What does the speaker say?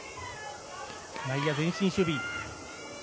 内野、前進守備。